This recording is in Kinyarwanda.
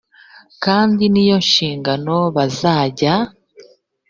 kandi ni yo nshingano bazajya